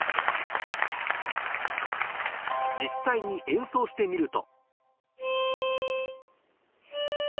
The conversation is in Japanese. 実際に演奏してみると